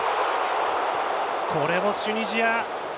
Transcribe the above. これもチュニジア。